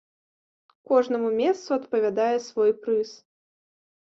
Кожнаму месцу адпавядае свой прыз.